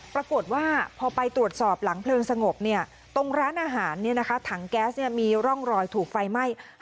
ปรากฏว่าพอไปตรวจสอบหลังเพลิงสงบตรงร้านอาหารถังแก๊สมีร่องรอยถูกไฟไหม้